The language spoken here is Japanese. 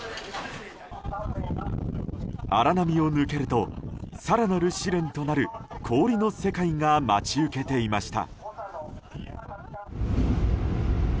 荒波を抜けると更なる試練となる氷の世界が待ち受けていました。